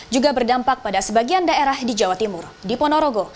juga berdampak pada sebagian daerah di jawa timur di ponorogo